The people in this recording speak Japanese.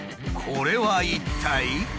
これは一体？